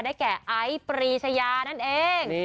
แก่ไอซ์ปรีชายานั่นเอง